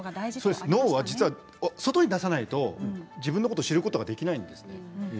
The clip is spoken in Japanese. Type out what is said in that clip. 脳とは外に出さないと自分のことを知ることができないんです。